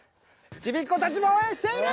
ちびっ子たちも応援している。